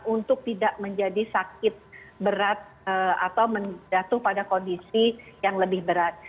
untuk tidak menjadi sakit berat atau menjatuh pada kondisi yang lebih berat